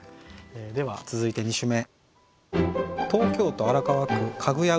では続いて２首目。